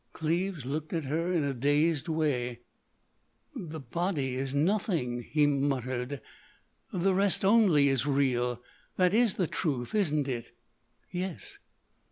Cleves looked at her in a dazed way. "The body is nothing," he muttered. "The rest only is real. That is the truth, isn't it?" "Yes."